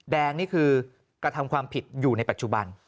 นี่คือกระทำความผิดอยู่ในปัจจุบัน